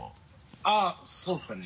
あっそうですかね。